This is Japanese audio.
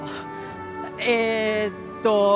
えっと